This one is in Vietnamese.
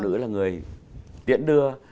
phụ nữ là người tiễn đưa